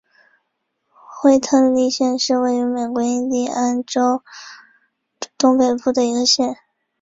惠特利县是位于美国印第安纳州东北部的一个县。